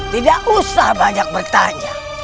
tidak usah banyak bertanya